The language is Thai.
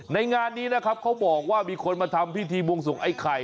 งานนี้นะครับเขาบอกว่ามีคนมาทำพิธีบวงสวงไอ้ไข่